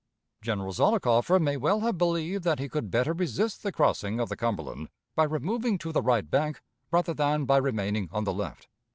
General Zollicoffer may well have believed that he could better resist the crossing of the Cumberland by removing to the right bank rather than by remaining on the left.